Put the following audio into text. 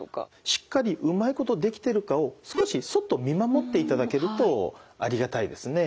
しっかりうまいことできてるかを少しそっと見守っていただけるとありがたいですね。